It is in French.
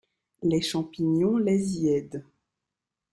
Les champignons les y aident.